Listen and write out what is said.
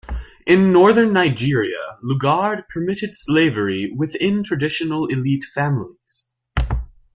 In Northern Nigeria, Lugard permitted slavery within traditional elite families.